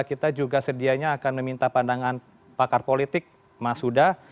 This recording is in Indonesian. kita juga sedianya akan meminta pandangan pakar politik mas huda